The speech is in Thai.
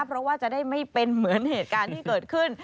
เพราะว่าจะได้ไม่เป็นเหมือนเหตุการณ์ที่เกิดขึ้น